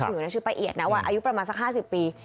อยู่ในชื่อป้าเอียดนะว่าอายุประมาณสัก๕๐ปี